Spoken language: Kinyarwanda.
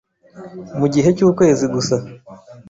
mu gihe cy’ukwezi gusa